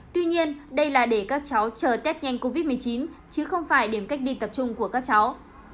tuy nhiên đây là để các cháu chờ tết nhanh covid một mươi chín chứ không phải điểm cách ly tập trung của các cháu